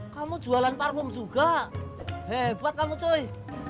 kamu jualan parfum juga hebat kamu coi